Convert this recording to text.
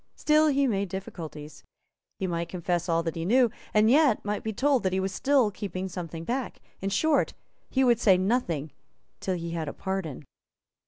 Still he made difficulties. He might confess all that he knew, and yet might be told that he was still keeping something back. In short, he would say nothing till he had a pardon.